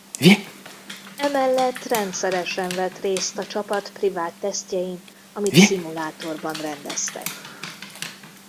Emellett rendszeresen vett részt a csapat privát tesztjein amit szimulátorban rendeztek.